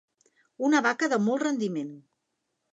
Una vaca de molt rendiment.